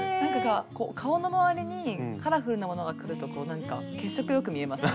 顔の周りにカラフルなものがくるとこうなんか血色よく見えますね。